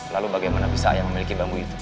lalu bagaimana bisa ayah memiliki bambu yang baiknya